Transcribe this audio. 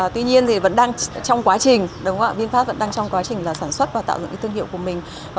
tuy nhiên vinfast vẫn đang trong quá trình sản xuất và tạo dựng thương hiệu của mình